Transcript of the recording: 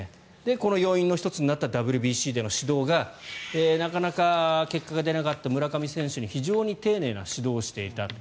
この要因の１つになったＷＢＣでの指導がなかなか結果が出なかった村上選手に非常に丁寧な指導をしていた。